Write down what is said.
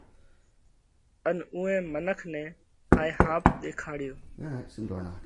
ان اُوئي منک نئہ هائي ۿاپ ۮيکاڙيو۔